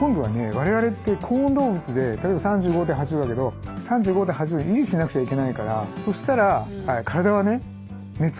我々って恒温動物で例えば３５．８度だけど３５．８度を維持しなくちゃいけないからそしたら体はね熱をどんどん作るんですよ。